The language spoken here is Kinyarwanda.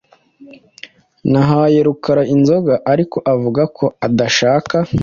Nahaye Rukara inzoga, ariko avuga ko adashaka.